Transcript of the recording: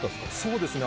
そうですね。